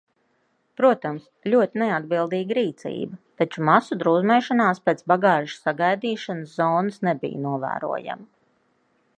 Protams, ļoti neatbildīga rīcība, taču masu drūzmēšanās pēc bagāžas sagaidīšanas zonas nebija novērojama.